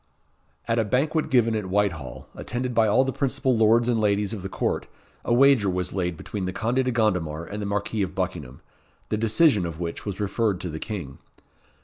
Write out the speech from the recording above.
At a banquet given at Whitehall, attended by all the principal lords and ladies of the court, a wager was laid between the Conde de Gondomar and the Marquis of Buckingham, the decision of which was referred to the King.